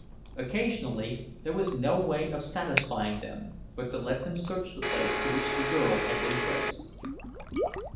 Occasionally there was no way of satisfying them but to let them search the place to which the girl had been traced.